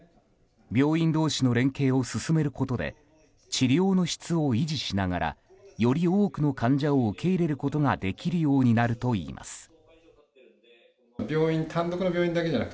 病院同士の連携を進めることで治療の質を維持しながらより多くの患者を受け入れることができるようになるといいます。